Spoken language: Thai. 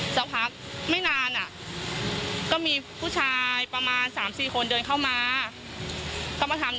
ซักผักไม่นานก็มีผู้ชายประมาณ๓๔คนเดินเข้ามา